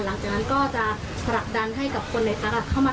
หลังจากนั้นก็จะผลักดันให้กับคนในพักเข้ามา